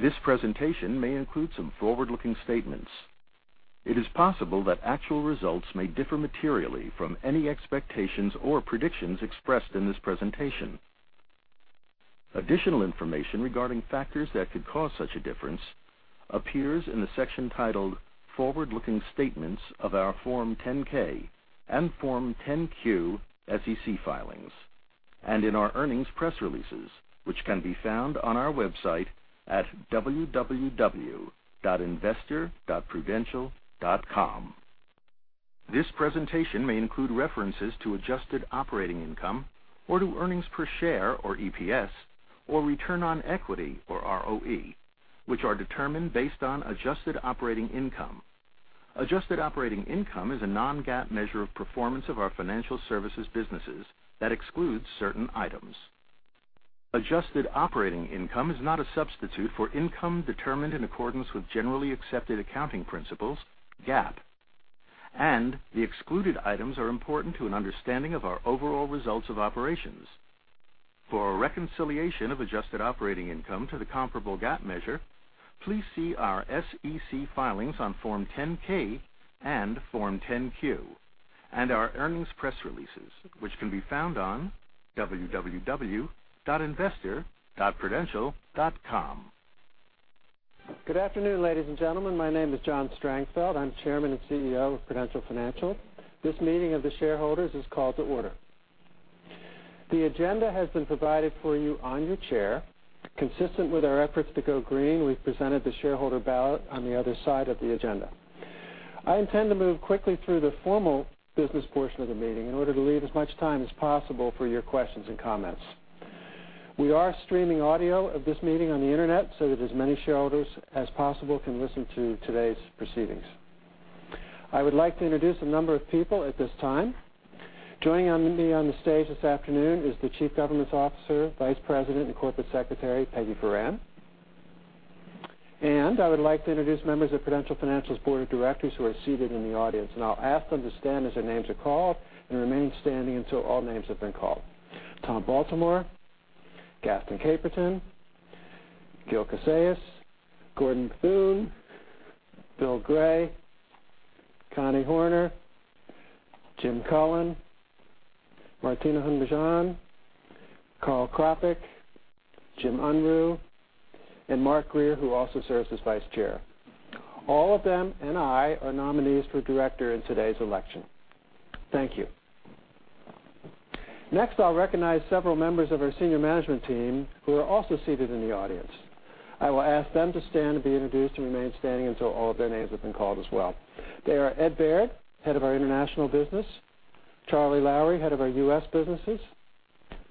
This presentation may include some forward-looking statements. It is possible that actual results may differ materially from any expectations or predictions expressed in this presentation. Additional information regarding factors that could cause such a difference appears in the section titled Forward-Looking Statements of our Form 10-K and Form 10-Q SEC filings, and in our earnings press releases, which can be found on our website at www.investor.prudential.com. This presentation may include references to adjusted operating income or to earnings per share, or EPS, or return on equity, or ROE, which are determined based on adjusted operating income. Adjusted operating income is a non-GAAP measure of performance of our financial services businesses that excludes certain items. Adjusted operating income is not a substitute for income determined in accordance with generally accepted accounting principles, GAAP, and the excluded items are important to an understanding of our overall results of operations. For a reconciliation of adjusted operating income to the comparable GAAP measure, please see our SEC filings on Form 10-K and Form 10-Q, and our earnings press releases, which can be found on www.investor.prudential.com. Good afternoon, ladies and gentlemen. My name is John Strangfeld. I'm Chairman and CEO of Prudential Financial. This meeting of the shareholders is called to order. The agenda has been provided for you on your chair. Consistent with our efforts to go green, we've presented the shareholder ballot on the other side of the agenda. I intend to move quickly through the formal business portion of the meeting in order to leave as much time as possible for your questions and comments. We are streaming audio of this meeting on the internet so that as many shareholders as possible can listen to today's proceedings. I would like to introduce a number of people at this time. Joining me on the stage this afternoon is the Chief Governance Officer, Vice President, and Corporate Secretary, Peggy Foran. I would like to introduce members of Prudential Financial's board of directors who are seated in the audience, and I'll ask them to stand as their names are called and remain standing until all names have been called. Tom Baltimore, Gaston Caperton, Gil Casellas, Gordon Bethune, Bill Gray, Connie Horner, Jim Cullen, Martina Hund-Mejean, Karl Krapek, Jim Unruh, and Mark Grier, who also serves as vice chair. All of them and I are nominees for director in today's election. Thank you. Next, I'll recognize several members of our senior management team who are also seated in the audience. I will ask them to stand and be introduced and remain standing until all of their names have been called as well. They are Ed Baird, head of our international business; Charlie Lowrey, head of our U.S. businesses;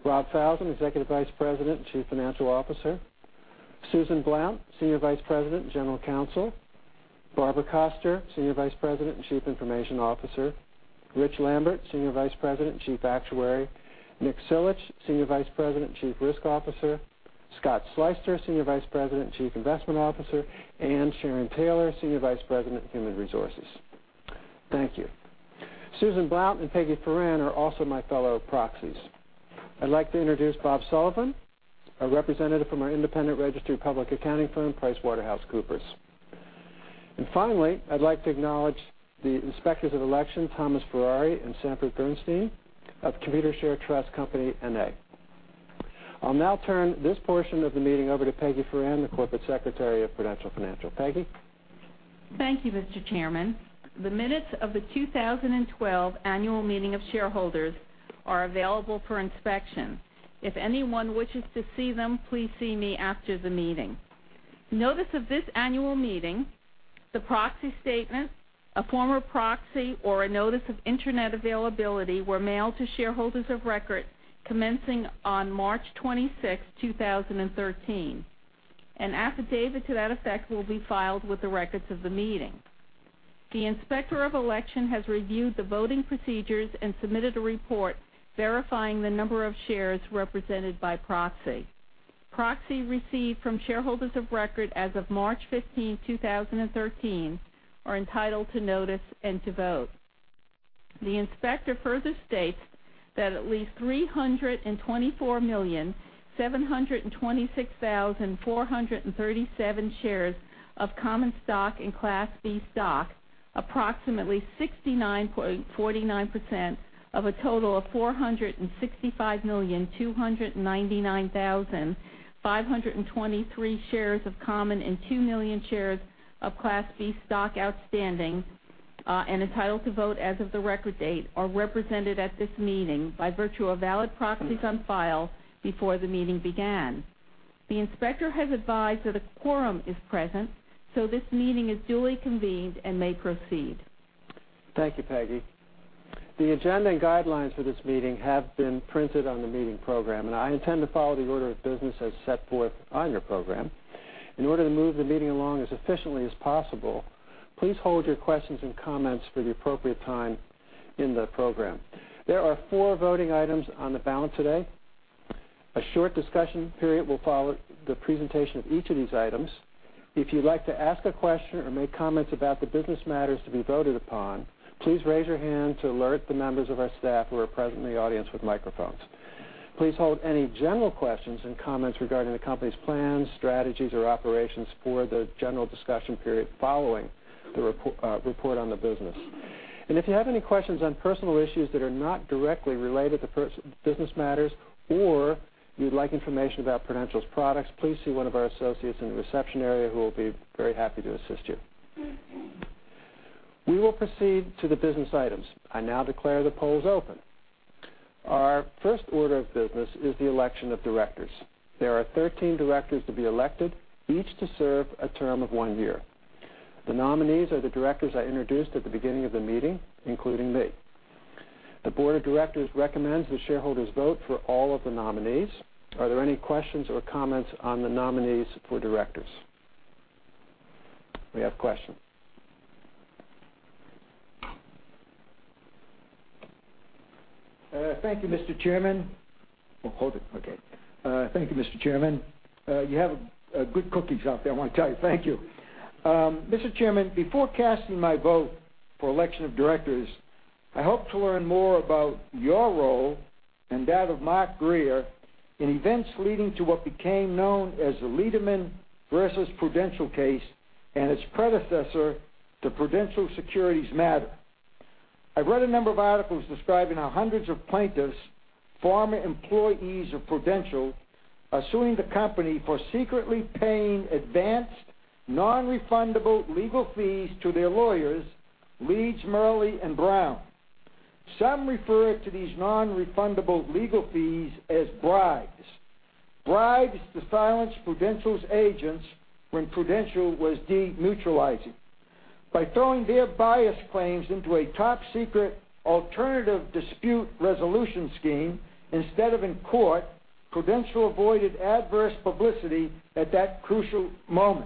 Rob Falzon, Executive Vice President and Chief Financial Officer; Susan Blount, Senior Vice President and General Counsel; Barbara Koster, Senior Vice President and Chief Information Officer; Rich Lambert, Senior Vice President and Chief Actuary; Nick Silitch, Senior Vice President and Chief Risk Officer; Scott Sleyster, Senior Vice President and Chief Investment Officer; and Sharon Taylor, Senior Vice President of Human Resources. Thank you. Susan Blount and Peggy Foran are also my fellow proxies. I'd like to introduce Bob Sullivan, a representative from our independent registered public accounting firm, PricewaterhouseCoopers. Finally, I'd like to acknowledge the Inspectors of Election, Thomas Ferrari and Sanford Bernstein of Computershare Trust Company, N.A. I'll now turn this portion of the meeting over to Peggy Foran, the Corporate Secretary of Prudential Financial. Peggy? Thank you, Mr. Chairman. The minutes of the 2012 annual meeting of shareholders are available for inspection. If anyone wishes to see them, please see me after the meeting. Notice of this annual meeting, the proxy statement, a form of proxy, or a notice of internet availability were mailed to shareholders of record commencing on March 26, 2013. An affidavit to that effect will be filed with the records of the meeting. The Inspector of Election has reviewed the voting procedures and submitted a report verifying the number of shares represented by proxy. Proxy received from shareholders of record as of March 15, 2013, are entitled to notice and to vote. The inspector further states that at least 324,726,437 shares of common stock and Class B stock, approximately 69.49% of a total of 465,299,523 shares of common and 2 million shares of Class B stock outstanding, and entitled to vote as of the record date, are represented at this meeting by virtue of valid proxies on file before the meeting began. The inspector has advised that a quorum is present, this meeting is duly convened and may proceed. Thank you, Peggy. The agenda and guidelines for this meeting have been printed on the meeting program. I intend to follow the order of business as set forth on your program. In order to move the meeting along as efficiently as possible, please hold your questions and comments for the appropriate time in the program. There are 4 voting items on the ballot today. A short discussion period will follow the presentation of each of these items. If you'd like to ask a question or make comments about the business matters to be voted upon, please raise your hand to alert the members of our staff who are present in the audience with microphones. Please hold any general questions and comments regarding the company's plans, strategies, or operations for the general discussion period following the report on the business. If you have any questions on personal issues that are not directly related to business matters or you'd like information about Prudential's products, please see one of our associates in the reception area who will be very happy to assist you. We will proceed to the business items. I now declare the polls open. Our first order of business is the election of directors. There are 13 directors to be elected, each to serve a term of one year. The Board of Directors recommends the shareholders vote for all of the nominees. Are there any questions or comments on the nominees for directors? We have a question. Thank you, Mr. Chairman. Hold it. Okay. Thank you, Mr. Chairman. You have good cookies out there, I want to tell you. Thank you. Mr. Chairman, before casting my vote for election of directors, I hope to learn more about your role and that of Mark Grier in events leading to what became known as the Lederman versus Prudential case and its predecessor, the Prudential Securities matter. I read a number of articles describing how hundreds of plaintiffs, former employees of Prudential, are suing the company for secretly paying advanced, nonrefundable legal fees to their lawyers, Leeds, Morelli & Brown. Some refer to these nonrefundable legal fees as bribes. Bribes to silence Prudential's agents when Prudential was demutualizing. By throwing their bias claims into a top-secret alternative dispute resolution scheme instead of in court, Prudential avoided adverse publicity at that crucial moment.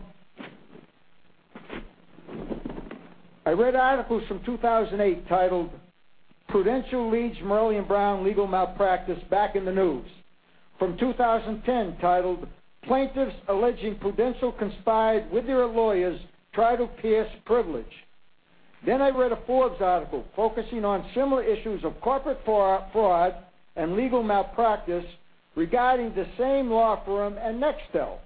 I read articles from 2008 titled "Prudential, Leeds, Morelli & Brown Legal Malpractice Back in the News," from 2010 titled, "Plaintiffs Allege Prudential Conspired with their Lawyers Try to Pierce Privilege." I read a Forbes article focusing on similar issues of corporate fraud and legal malpractice regarding the same law firm and Nextel.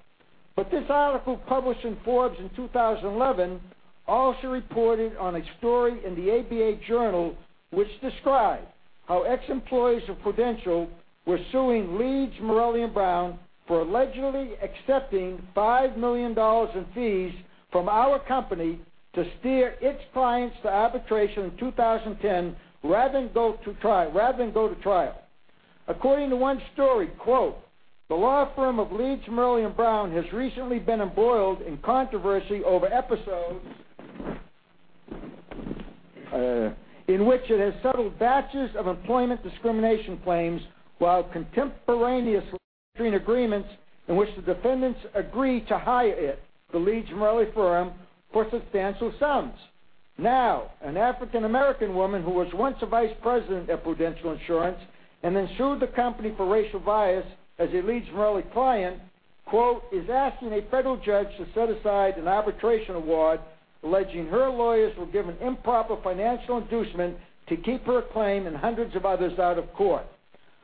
This article, published in Forbes in 2011, also reported on a story in the ABA Journal, which described how ex-employees of Prudential were suing Leeds, Morelli & Brown for allegedly accepting $5 million in fees from our company to steer its clients to arbitration in 2010 rather than go to trial. According to one story, quote, "The law firm of Leeds, Morelli & Brown has recently been embroiled in controversy over episodes in which it has settled batches of employment discrimination claims while contemporaneously entering agreements in which the defendants agree to hire it, the Leeds, Morelli & Brown firm, for substantial sums." An African American woman who was once a vice president at Prudential Insurance and then sued the company for racial bias as a Leeds, Morelli & Brown client, quote, "is asking a federal judge to set aside an arbitration award alleging her lawyers were given improper financial inducement to keep her claim and hundreds of others out of court."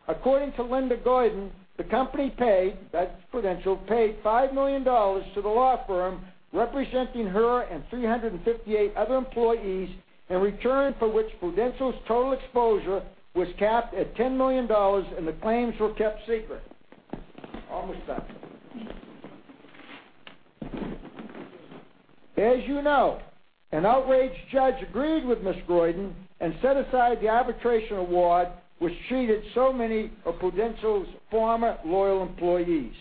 According to Linda Guyden, the company paid, that's Prudential, paid $5 million to the law firm representing her and 358 other employees, in return for which Prudential's total exposure was capped at $10 million and the claims were kept secret. As you know, an outraged judge agreed with Ms. Guyden and set aside the arbitration award, which cheated so many of Prudential's former loyal employees.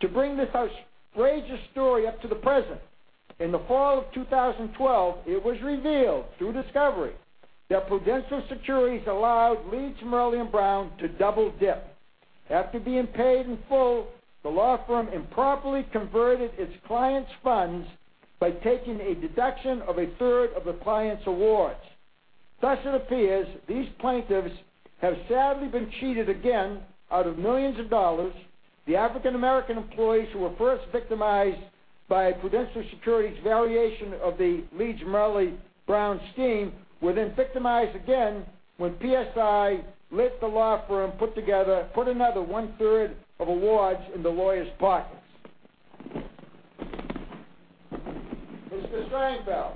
To bring this outrageous story up to the present, in the fall of 2012, it was revealed through discovery that Prudential Securities allowed Leeds, Morelli & Brown to double-dip. After being paid in full, the law firm improperly converted its clients' funds by taking a deduction of a third of the clients' awards. Thus, it appears these plaintiffs have sadly been cheated again out of millions of dollars. The African American employees who were first victimized by Prudential Securities' variation of the Leeds, Morelli & Brown scheme were then victimized again when PSI let the law firm put another one-third of awards in the lawyers' pockets. Mr. Strangfeld,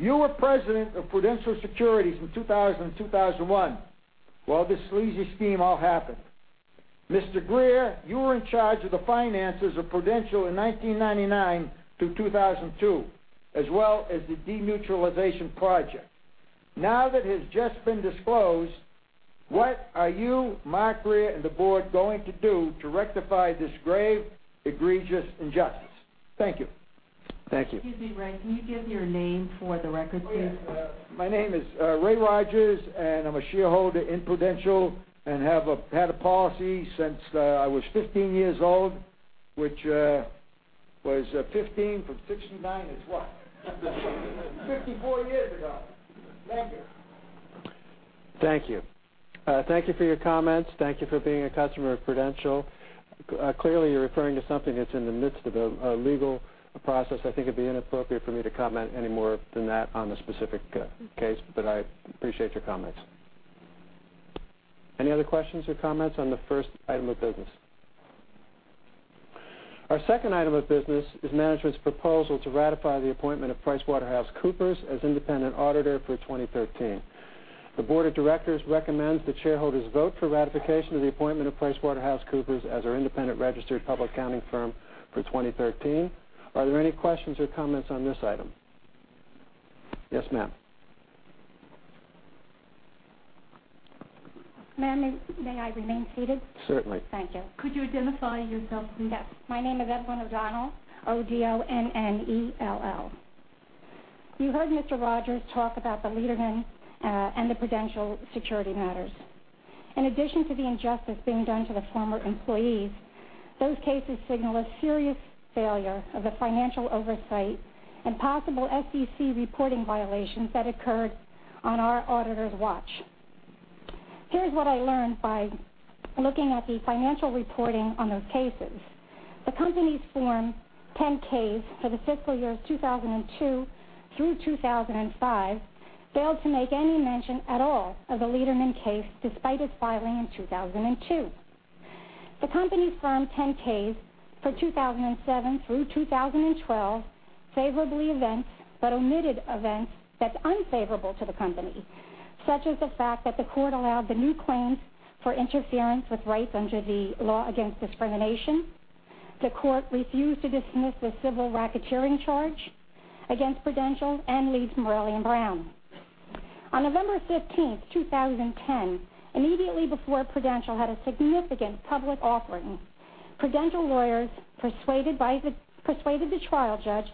you were president of Prudential Securities in 2000 and 2001 while this sleazy scheme all happened. Mr. Grier, you were in charge of the finances of Prudential in 1999 to 2002, as well as the demutualization project. Now that it has just been disclosed, what are you, Mark Grier, and the board going to do to rectify this grave, egregious injustice? Thank you. Thank you. Excuse me, Ray. Can you give your name for the record, please? Oh, yeah. My name is Ray Rogers. I'm a shareholder in Prudential and have had a policy since I was 15 years old, which was 15 from 69 is what? 54 years ago. Thank you. Thank you. Thank you for your comments. Thank you for being a customer of Prudential. Clearly, you're referring to something that's in the midst of a legal process. I think it'd be inappropriate for me to comment any more than that on the specific case. I appreciate your comments. Any other questions or comments on the first item of business? Our second item of business is management's proposal to ratify the appointment of PricewaterhouseCoopers as independent auditor for 2013. The board of directors recommends that shareholders vote for ratification of the appointment of PricewaterhouseCoopers as our independent registered public accounting firm for 2013. Are there any questions or comments on this item? Yes, ma'am. Ma'am, may I remain seated? Certainly. Thank you. Could you identify yourself, please? Yes. My name is Evelyn O'Donnell, O-D-O-N-N-E-L-L. You heard Mr. Ray Rogers talk about the Lawrence Lederman and the Prudential security matters. In addition to the injustice being done to the former employees, those cases signal a serious failure of the financial oversight and possible SEC reporting violations that occurred on our auditor's watch. Here's what I learned by looking at the financial reporting on those cases. The company's Form 10-Ks for the fiscal years 2002 through 2005 failed to make any mention at all of the Lawrence Lederman case, despite its filing in 2002. The company's Form 10-Ks for 2007 through 2012 favorably events but omitted events that's unfavorable to the company, such as the fact that the court allowed the new claims for interference with rights under the law against discrimination. The court refused to dismiss the civil racketeering charge against Prudential and Leeds, Morelli & Brown. On November 15th, 2010, immediately before Prudential had a significant public offering, Prudential lawyers persuaded the trial judge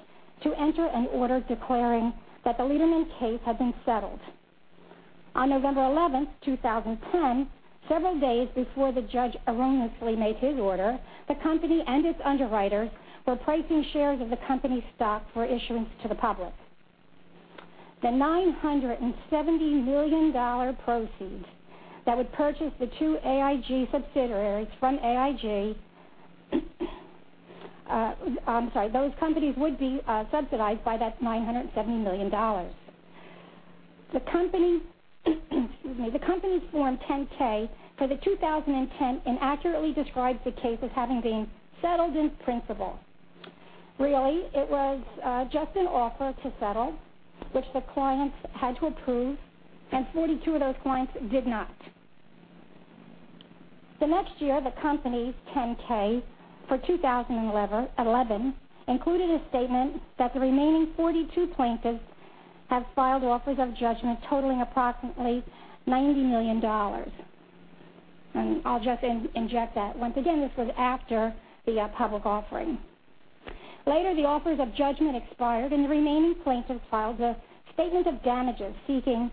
to enter an order declaring that the Lawrence Lederman case had been settled. On November 11th, 2010, several days before the judge erroneously made his order, the company and its underwriters were pricing shares of the company stock for issuance to the public. The $970 million proceeds that would purchase the two AIG subsidiaries from AIG, I'm sorry, those companies would be subsidized by that $970 million. The company's Form 10-K for 2010 inaccurately describes the case as having been settled in principle. Really, it was just an offer to settle, which the clients had to approve, and 42 of those clients did not. The next year, the company's 10-K for 2011 included a statement that the remaining 42 plaintiffs have filed offers of judgment totaling approximately $90 million. I'll just interject that once again, this was after the public offering. Later, the offers of judgment expired and the remaining plaintiffs filed a statement of damages seeking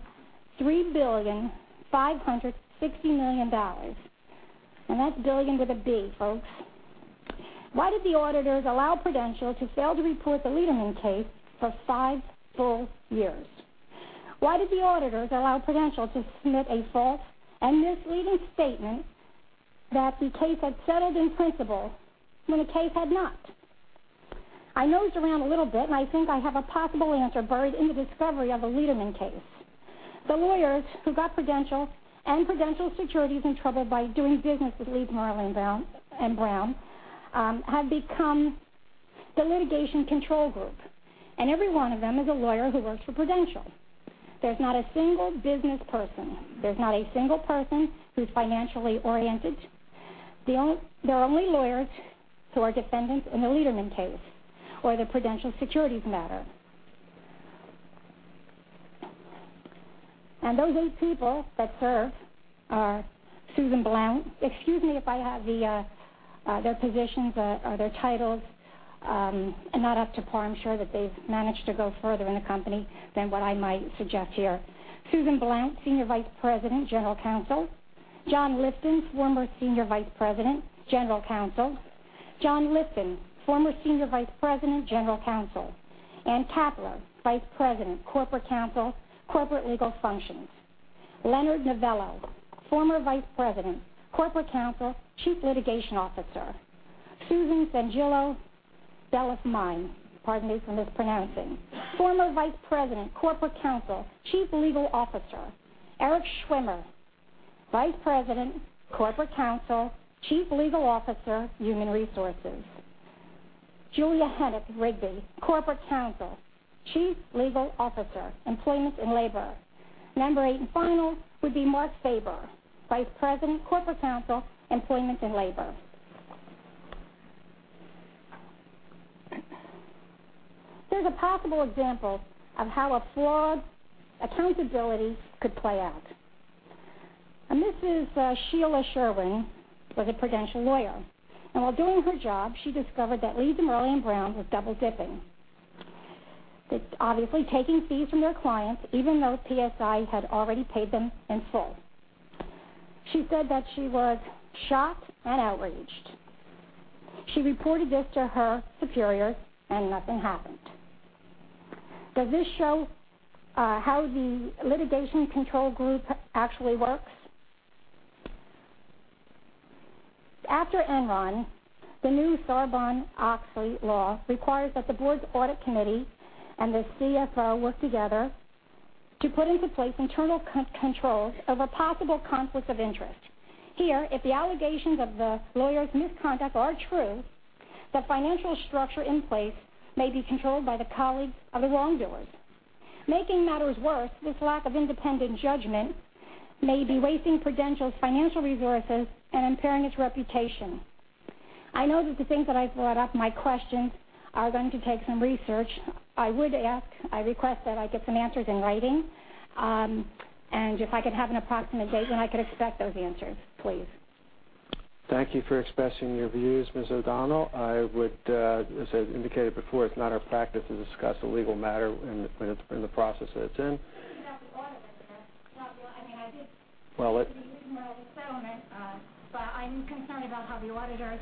$3.56 billion. That's billion with a B, folks. Why did the auditors allow Prudential to fail to report the Lawrence Lederman case for five full years? Why did the auditors allow Prudential to submit a false and misleading statement that the case had settled in principle when the case had not? I nosed around a little bit, and I think I have a possible answer buried in the discovery of the Lawrence Lederman case. The lawyers who got Prudential and Prudential Securities in trouble by doing business with Leeds, Morelli & Brown have become the litigation control group, and every one of them is a lawyer who works for Prudential. There's not a single business person. There's not a single person who's financially oriented. They're only lawyers who are defendants in the Lederman case or the Prudential Securities matter. Those eight people that serve are Susan Blount. Excuse me if I have their positions or their titles not up to par. I'm sure that they've managed to go further in the company than what I might suggest here. Susan Blount, Senior Vice President, General Counsel. John Strangfeld, former Senior Vice President, General Counsel. John Strangfeld, former Senior Vice President, General Counsel. Ann Kappler, Vice President, Corporate Counsel, Corporate Legal Functions. Leonard Novello, former Vice President, Corporate Counsel, Chief Litigation Officer. Susan Santillo-DelGrosso, pardon me for mispronouncing, former Vice President, Corporate Counsel, Chief Legal Officer. Eric Schwimmer, Vice President, Corporate Counsel, Chief Legal Officer, Human Resources. Julia Hennecke Rigby, Corporate Counsel, Chief Legal Officer, Employment and Labor. Number 8 and final would be Mark Faba, Vice President, Corporate Counsel, Employment and Labor. Here's a possible example of how a flawed accountability could play out. Sheila Davidson was a Prudential lawyer, and while doing her job, she discovered that Leeds, Morelli & Brown was double-dipping. It's obviously taking fees from their clients, even though PSI had already paid them in full. She said that she was shocked and outraged. She reported this to her superiors, nothing happened. Does this show how the litigation control group actually works? After Enron, the new Sarbanes-Oxley Act requires that the board's audit committee and the CFO work together to put into place internal controls over possible conflicts of interest. Here, if the allegations of the lawyers' misconduct are true, the financial structure in place may be controlled by the colleagues of the wrongdoers. Making matters worse, this lack of independent judgment may be wasting Prudential's financial resources and impairing its reputation. I know that the things that I've brought up, my questions are going to take some research. I would ask, I request that I get some answers in writing. If I could have an approximate date when I could expect those answers, please. Thank you for expressing your views, Ms. O'Donnell. As I indicated before, it's not our practice to discuss a legal matter in the process that it's in. This is about the auditor here, I mean. Well, the regional settlement. I'm concerned about how the auditors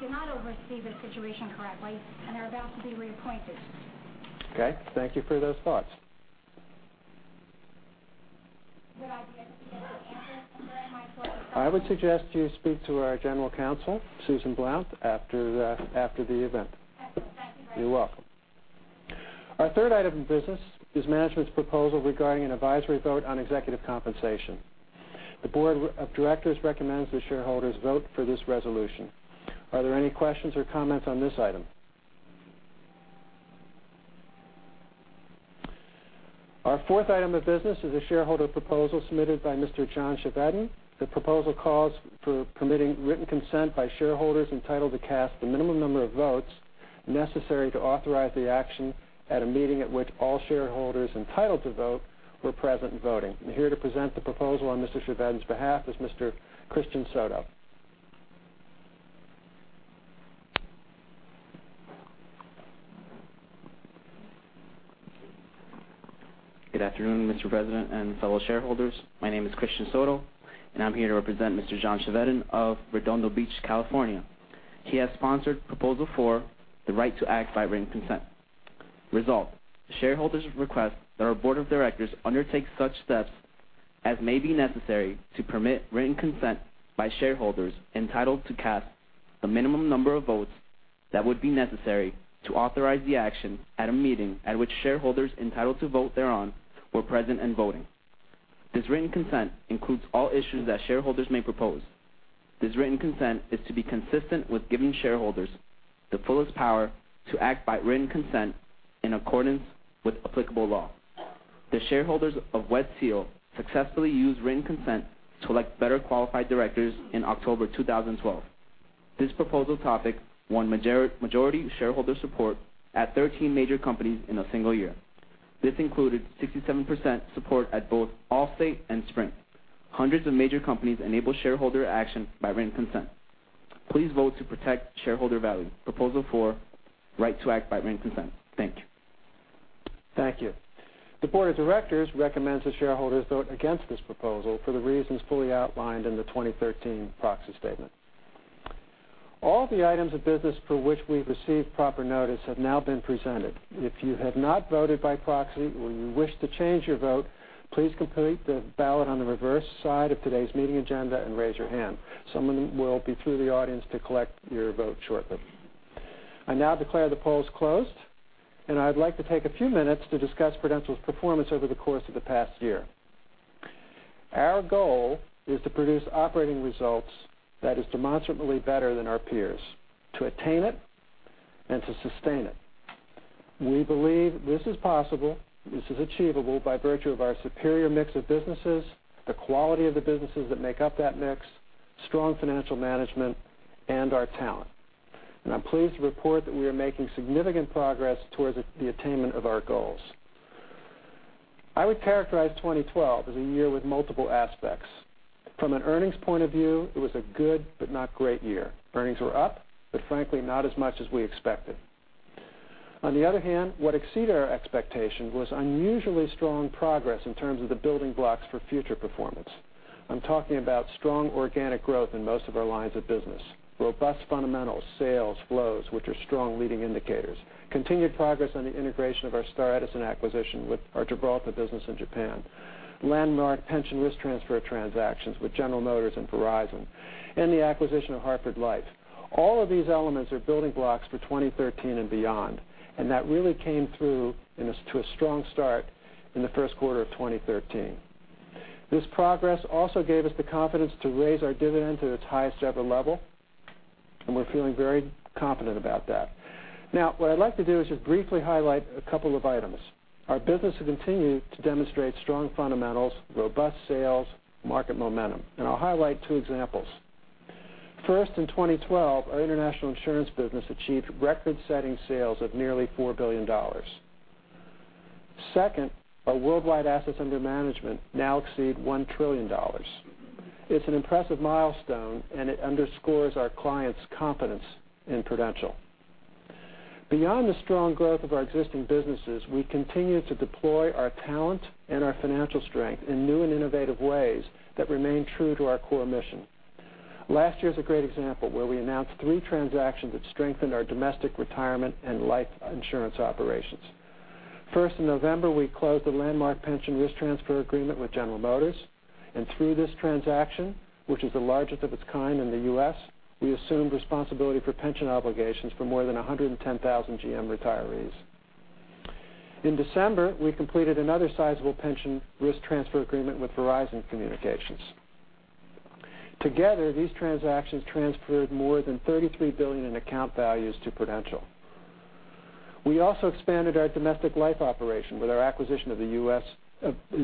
did not oversee the situation correctly and are about to be reappointed. Thank you for those thoughts. Would I be able to get an answer on where I might go with that? I would suggest you speak to our general counsel, Susan Blount, after the event. Okay. Thank you very much. You're welcome. Our third item of business is management's proposal regarding an advisory vote on executive compensation. The board of directors recommends the shareholders vote for this resolution. Are there any questions or comments on this item? Our fourth item of business is a shareholder proposal submitted by Mr. John Chevedden. The proposal calls for permitting written consent by shareholders entitled to cast the minimum number of votes necessary to authorize the action at a meeting at which all shareholders entitled to vote were present and voting. Here to present the proposal on Mr. Chevedden's behalf is Mr. Christian Soto. Good afternoon, Mr. President and fellow shareholders. My name is Christian Soto, and I'm here to represent Mr. John Chevedden of Redondo Beach, California. He has sponsored Proposal 4, the right to act by written consent. Result, shareholders request that our board of directors undertake such steps as may be necessary to permit written consent by shareholders entitled to cast the minimum number of votes that would be necessary to authorize the action at a meeting at which shareholders entitled to vote thereon were present and voting. This written consent includes all issues that shareholders may propose. This written consent is to be consistent with giving shareholders the fullest power to act by written consent in accordance with applicable law. The shareholders of Wet Seal successfully used written consent to elect better qualified directors in October 2012. This proposal topic won majority shareholder support at 13 major companies in a single year. This included 67% support at both Allstate and Sprint. Hundreds of major companies enable shareholder action by written consent. Please vote to protect shareholder value. Proposal 4: Right to act by written consent. Thank you. Thank you. The board of directors recommends the shareholders vote against this proposal for the reasons fully outlined in the 2013 proxy statement. All the items of business for which we've received proper notice have now been presented. If you have not voted by proxy or you wish to change your vote, please complete the ballot on the reverse side of today's meeting agenda and raise your hand. Someone will be through the audience to collect your vote shortly. I now declare the polls closed, and I'd like to take a few minutes to discuss Prudential's performance over the course of the past year. Our goal is to produce operating results that is demonstrably better than our peers, to attain it and to sustain it. We believe this is possible, this is achievable by virtue of our superior mix of businesses, the quality of the businesses that make up that mix, strong financial management, and our talent. I'm pleased to report that we are making significant progress towards the attainment of our goals. I would characterize 2012 as a year with multiple aspects. From an earnings point of view, it was a good but not great year. Earnings were up, but frankly, not as much as we expected. On the other hand, what exceeded our expectation was unusually strong progress in terms of the building blocks for future performance. I'm talking about strong organic growth in most of our lines of business, robust fundamentals, sales, flows, which are strong leading indicators, continued progress on the integration of our Star and Edison acquisition with our Gibraltar business in Japan, landmark pension risk transfer transactions with General Motors and Verizon, and the acquisition of Hartford Life. All of these elements are building blocks for 2013 and beyond, that really came through to a strong start in the first quarter of 2013. This progress also gave us the confidence to raise our dividend to its highest ever level, and we're feeling very confident about that. Now, what I'd like to do is just briefly highlight a couple of items. Our business will continue to demonstrate strong fundamentals, robust sales, market momentum. I'll highlight two examples. First, in 2012, our international insurance business achieved record-setting sales of nearly $4 billion. Second, our worldwide assets under management now exceed $1 trillion. It's an impressive milestone, and it underscores our clients' confidence in Prudential. Beyond the strong growth of our existing businesses, we continue to deploy our talent and our financial strength in new and innovative ways that remain true to our core mission. Last year is a great example where we announced three transactions that strengthened our domestic retirement and life insurance operations. First, in November, we closed the landmark pension risk transfer agreement with General Motors. Through this transaction, which is the largest of its kind in the U.S., we assumed responsibility for pension obligations for more than 110,000 GM retirees. In December, we completed another sizable pension risk transfer agreement with Verizon Communications. Together, these transactions transferred more than $33 billion in account values to Prudential. We also expanded our domestic life operation with our acquisition of the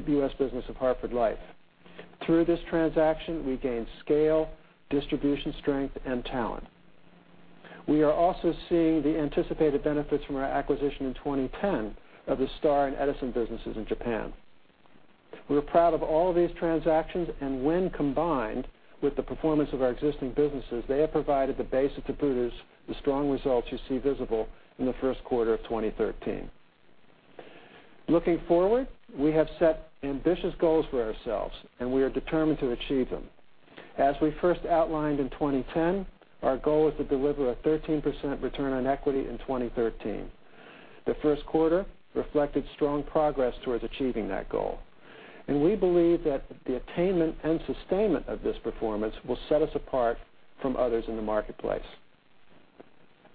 U.S. business of Hartford Life. Through this transaction, we gained scale, distribution strength, and talent. We are also seeing the anticipated benefits from our acquisition in 2010 of the Star and Edison businesses in Japan. We are proud of all these transactions and when combined with the performance of our existing businesses, they have provided the base that produces the strong results you see visible in the first quarter of 2013. Looking forward, we have set ambitious goals for ourselves, and we are determined to achieve them. As we first outlined in 2010, our goal is to deliver a 13% return on equity in 2013. The first quarter reflected strong progress towards achieving that goal, and we believe that the attainment and sustainment of this performance will set us apart from others in the marketplace.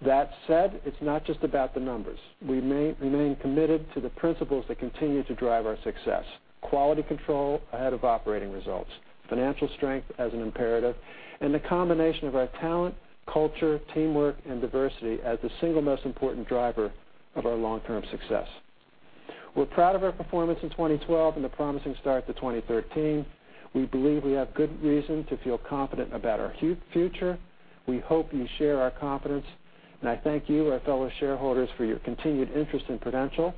That said, it's not just about the numbers. We remain committed to the principles that continue to drive our success: quality control ahead of operating results, financial strength as an imperative, and the combination of our talent, culture, teamwork, and diversity as the single most important driver of our long-term success. We're proud of our performance in 2012 and the promising start to 2013. We believe we have good reason to feel confident about our future. We hope you share our confidence, and I thank you, our fellow shareholders, for your continued interest in Prudential,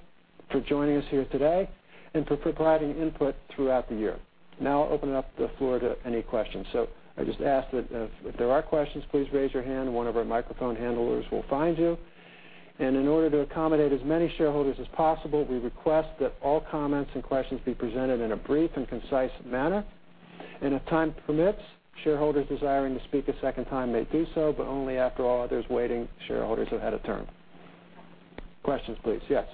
for joining us here today, and for providing input throughout the year. Now I'll open up the floor to any questions. I just ask that if there are questions, please raise your hand and one of our microphone handlers will find you. In order to accommodate as many shareholders as possible, we request that all comments and questions be presented in a brief and concise manner. If time permits, shareholders desiring to speak a second time may do so, but only after all other waiting shareholders are had a turn. Questions, please. Yes.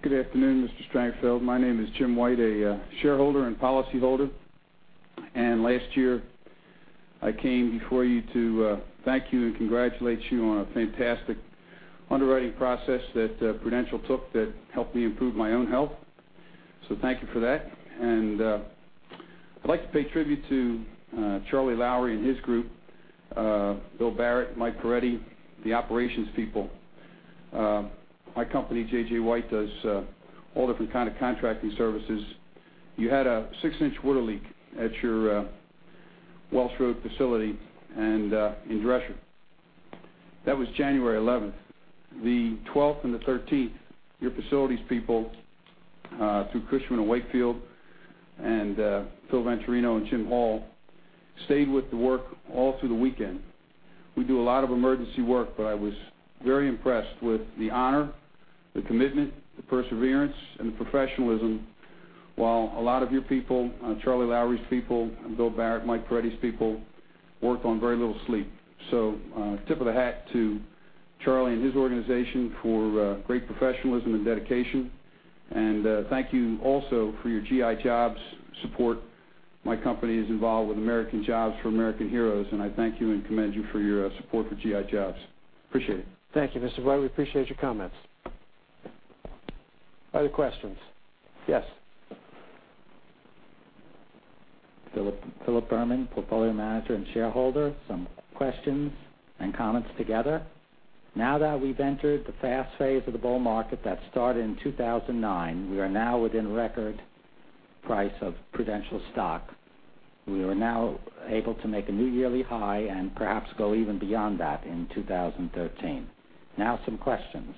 Good afternoon, Mr. Strangfeld. My name is Jim White, a shareholder and policyholder. Last year, I came before you to thank you and congratulate you on a fantastic underwriting process that Prudential took that helped me improve my own health. Thank you for that. I'd like to pay tribute to Charlie Lowrey and his group, Bill Barrett, Mike Perretti, the operations people. My company, JJ White, does all different kind of contracting services. You had a six-inch water leak at your Welsh Road facility in Dresher. That was January 11th. The 12th and the 13th, your facilities people, through Cushman & Wakefield and Phil Venturino and Jim Hall, stayed with the work all through the weekend. We do a lot of emergency work, I was very impressed with the honor, the commitment, the perseverance, and the professionalism while a lot of your people, Charlie Lowrey's people, Bill Barrett, Mike Perretti's people, worked on very little sleep. Tip of the hat to Charlie and his organization for great professionalism and dedication. Thank you also for your GI Jobs support. My company is involved with American Jobs for America's Heroes, I thank you and commend you for your support for GI Jobs. Appreciate it. Thank you, Mr. White. We appreciate your comments. Other questions? Yes. Philip Berman, portfolio manager and shareholder. Some questions and comments together. Now that we've entered the fast phase of the bull market that started in 2009, we are now within record price of Prudential stock. We are now able to make a new yearly high and perhaps go even beyond that in 2013. Now some questions.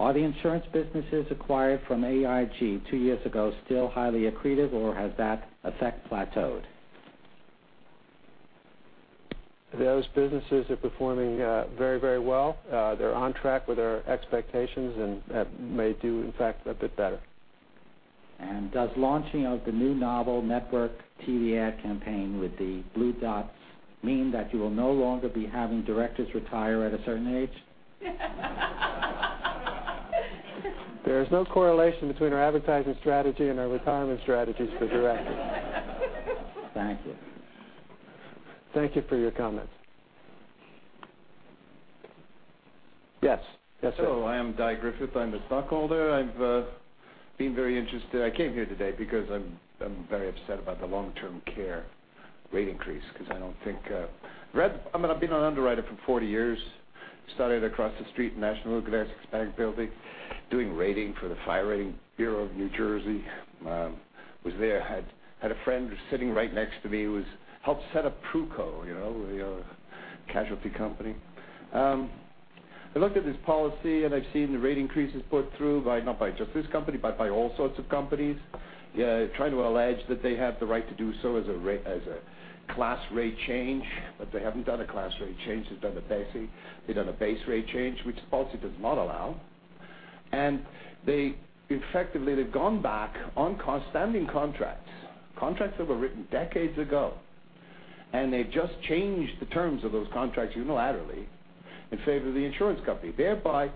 Are the insurance businesses acquired from AIG two years ago still highly accretive, or has that effect plateaued? Those businesses are performing very well. They're on track with our expectations and may do, in fact, a bit better. Does launching of the new novel network TV ad campaign with the blue dots mean that you will no longer be having directors retire at a certain age? There is no correlation between our advertising strategy and our retirement strategies for directors. Thank you. Thank you for your comments. Yes. Yes, sir. Hello, I am Guy Griffith. I am a stockholder. I have been very interested. I came here today because I am very upset about the long-term care rate increase because I do not think I have been an underwriter for 40 years. Started across the street in New York Life Building doing rating for the Fire Rating Bureau of New Jersey. Was there. Had a friend who was sitting right next to me who helped set up PruCo, the casualty company. I looked at this policy, and I have seen the rate increases put through not by just this company, but by all sorts of companies trying to allege that they have the right to do so as a class rate change. They haven't done a class rate change, they have done a base rate change, which the policy does not allow. Effectively, they have gone back on standing contracts that were written decades ago, and they have just changed the terms of those contracts unilaterally in favor of the insurance company, thereby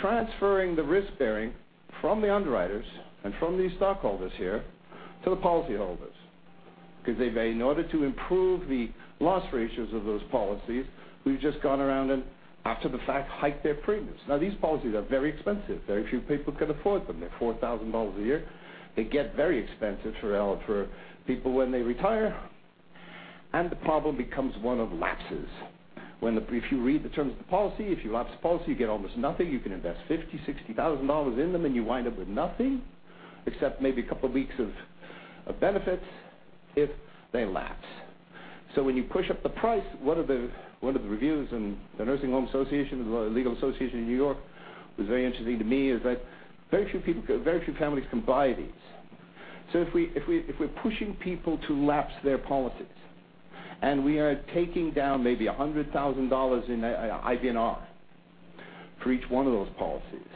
transferring the risk-bearing from the underwriters and from these stockholders here to the policyholders. In order to improve the loss ratios of those policies, we have just gone around and, after the fact, hiked their premiums. These policies are very expensive. Very few people can afford them. They are $4,000 a year. They get very expensive for people when they retire, and the problem becomes one of lapses. If you read the terms of the policy, if you lapse the policy, you get almost nothing. You can invest $50,000, $60,000 in them, and you wind up with nothing except maybe a couple of weeks of benefits if they lapse. When you push up the price, one of the reviews in the Nursing Home Association, the legal association in N.Y., was very interesting to me, is that very few families can buy these. If we're pushing people to lapse their policies and we are taking down maybe $100,000 in IBNR for each one of those policies,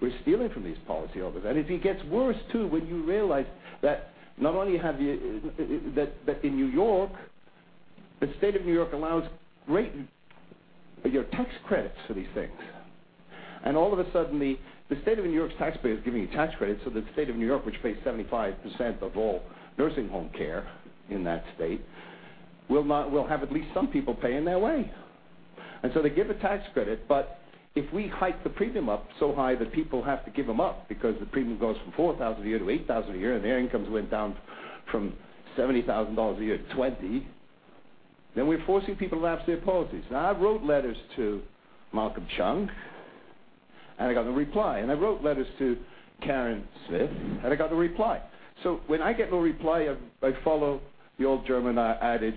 we're stealing from these policyholders. It gets worse, too, when you realize that in N.Y., the State of New York allows great tax credits for these things. All of a sudden, the State of New York's taxpayers giving you tax credits so the State of New York, which pays 75% of all nursing home care in that state, will have at least some people paying their way. They give a tax credit, but if we hike the premium up so high that people have to give them up because the premium goes from $4,000 a year to $8,000 a year, and their incomes went down from $70,000 a year to $20,000, we're forcing people to lapse their policies. I wrote letters to Malcolm Chung, I got no reply. I wrote letters to Karen Smith, I got no reply. When I get no reply, I follow the old German adage.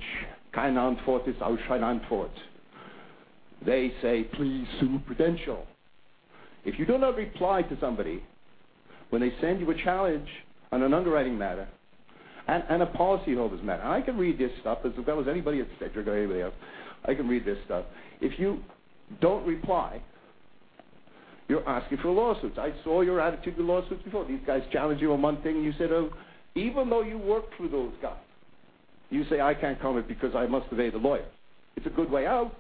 They say, "Please sue Prudential." If you do not reply to somebody when they send you a challenge on an underwriting matter and a policyholder's matter, I can read this stuff as well as anybody at state or anybody else. I can read this stuff. If you don't reply, you're asking for lawsuits. I saw your attitude to lawsuits before. These guys challenge you on one thing, you said, oh, even though you work for those guys, you say, "I can't comment because I must obey the lawyer." It's a good way out,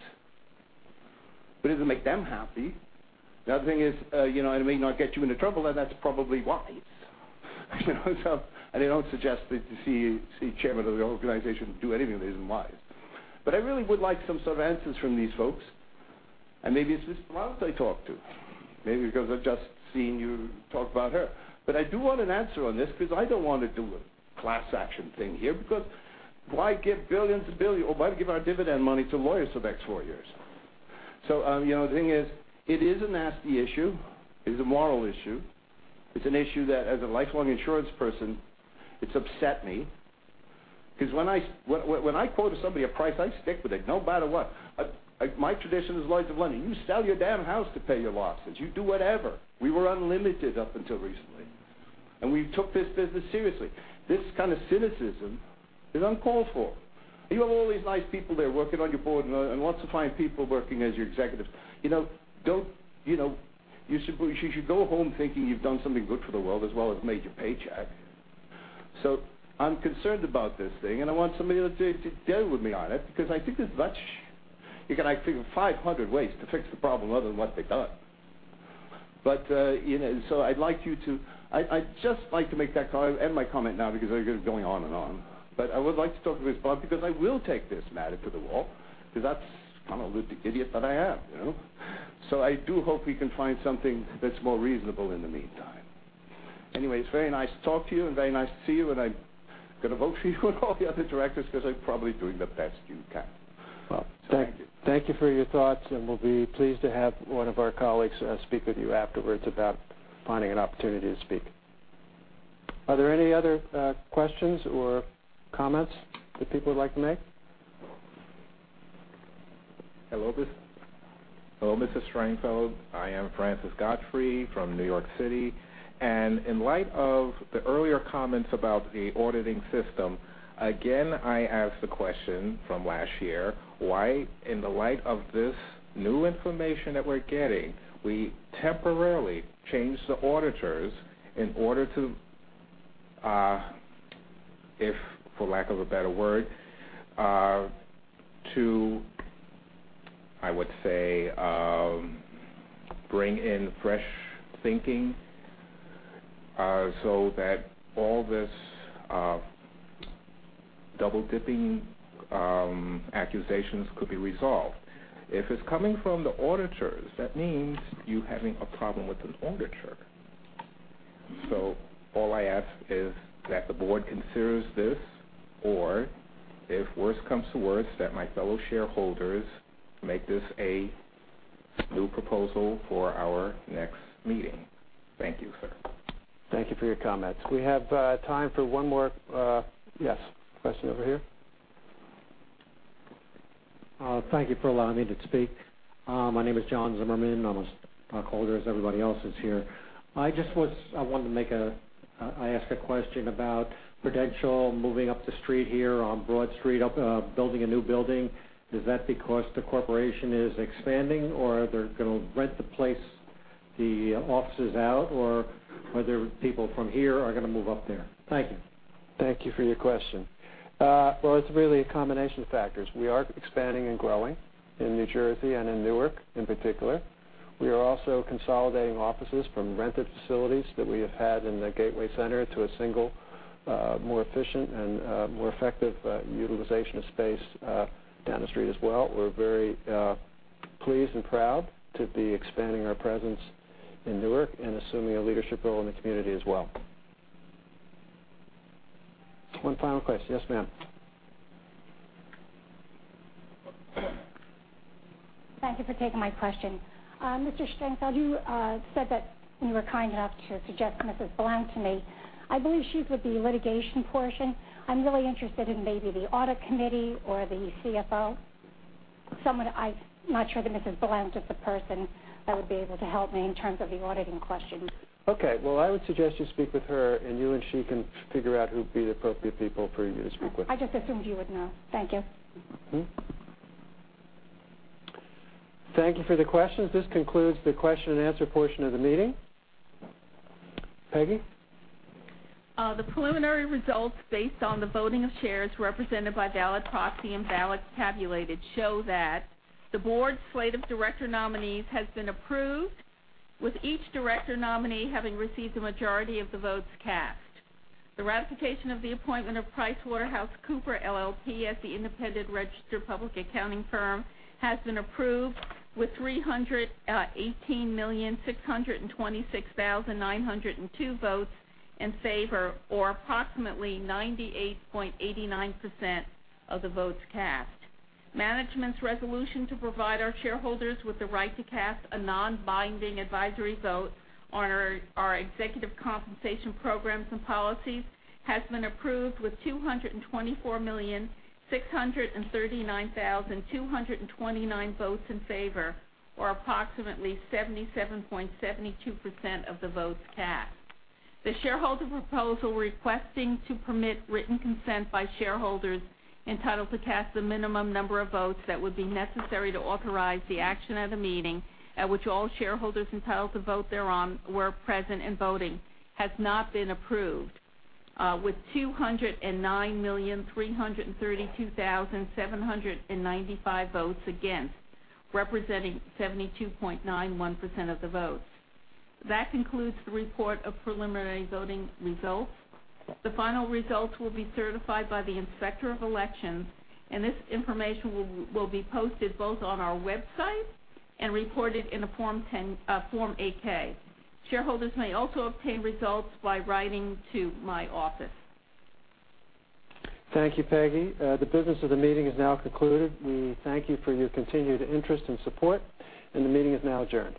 but it doesn't make them happy. The other thing is, it may not get you into trouble, and that's probably wise. I don't suggest that you see chairman of the organization do anything that isn't wise. I really would like some sort of answers from these folks. Maybe it's Ms. Blount I talk to. Maybe because I've just seen you talk about her. I do want an answer on this because I don't want to do a class action thing here because why give billions and billions, or why give our dividend money to lawyers for the next 4 years? The thing is, it is a nasty issue. It is a moral issue. It's an issue that as a lifelong insurance person, it's upset me because when I quote somebody a price, I stick with it no matter what. My tradition is loans of money. You sell your damn house to pay your losses. You do whatever. We were unlimited up until recently, and we took this business seriously. This kind of cynicism is uncalled for. You have all these nice people there working on your board and lots of fine people working as your executives. You should go home thinking you've done something good for the world as well as made your paycheck. I'm concerned about this thing, and I want somebody to deal with me on it because I think there's much. You can, I think, 500 ways to fix the problem other than what they've done. I'd just like to make that call and my comment now because I could be going on and on. I would like to talk to Ms. Blount because I will take this matter to the wall because that's the kind of lunatic idiot that I am. I do hope we can find something that's more reasonable in the meantime. It's very nice to talk to you and very nice to see you, and I'm going to vote for you and all the other directors because I'm probably doing the best you can. Thank you for your thoughts, and we'll be pleased to have one of our colleagues speak with you afterwards about finding an opportunity to speak. Are there any other questions or comments that people would like to make? Hello, Mr. Strangfeld. I am Francis Godfrey from New York City. In light of the earlier comments about the auditing system, again, I ask the question from last year, why in the light of this new information that we're getting, we temporarily change the auditors in order to, if for lack of a better word, I would say, bring in fresh thinking so that all these double-dipping accusations could be resolved. If it's coming from the auditors, that means you're having a problem with an auditor. All I ask is that the board considers this, or if worse comes to worse, that my fellow shareholders make this a new proposal for our next meeting. Thank you, sir. Thank you for your comments. We have time for one more. Yes. Question over here. Thank you for allowing me to speak. My name is John Zimmerman. I'm a stockholder, as everybody else is here. I asked a question about Prudential moving up the street here on Broad Street, building a new building. Is that because the corporation is expanding or they're going to rent the place, the offices out, or whether people from here are going to move up there? Thank you. Thank you for your question. Well, it's really a combination of factors. We are expanding and growing in New Jersey and in Newark in particular. We are also consolidating offices from rented facilities that we have had in the Gateway Center to a single, more efficient and more effective utilization of space down the street as well. We're very pleased and proud to be expanding our presence in Newark and assuming a leadership role in the community as well. One final question. Yes, ma'am? Thank you for taking my question. Mr. Strangfeld, you said that you were kind enough to suggest Mrs. Blount to me. I believe she's with the litigation portion. I'm really interested in maybe the audit committee or the CFO. I'm not sure that Mrs. Blount is the person that would be able to help me in terms of the auditing question. Okay, well, I would suggest you speak with her, and you and she can figure out who'd be the appropriate people for you to speak with. I just assumed you would know. Thank you. Thank you for the questions. This concludes the question and answer portion of the meeting. Peggy? The preliminary results, based on the voting of shares represented by valid proxy and ballots tabulated, show that the board's slate of director nominees has been approved, with each director nominee having received a majority of the votes cast. The ratification of the appointment of PricewaterhouseCoopers LLP as the independent registered public accounting firm has been approved with 318,626,902 votes in favor, or approximately 98.89% of the votes cast. Management's resolution to provide our shareholders with the right to cast a non-binding advisory vote on our executive compensation programs and policies has been approved with 224,639,229 votes in favor, or approximately 77.72% of the votes cast. The shareholder proposal requesting to permit written consent by shareholders entitled to cast the minimum number of votes that would be necessary to authorize the action at a meeting at which all shareholders entitled to vote thereon were present and voting has not been approved, with 209,332,795 votes against, representing 72.91% of the votes. That concludes the report of preliminary voting results. The final results will be certified by the Inspector of Elections, and this information will be posted both on our website and reported in a Form 8-K. Shareholders may also obtain results by writing to my office. Thank you, Peggy. The business of the meeting is now concluded. We thank you for your continued interest and support. The meeting is now adjourned.